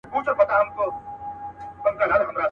اوس به دې خپل وي آینده به ستا وي.